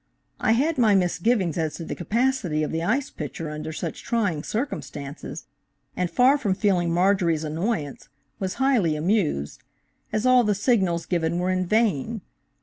I had my misgivings as to the capacity of the ice pitcher under such trying circumstances, and far from feeling Marjorie's annoyance, was highly amused, as all the signals given were in vain.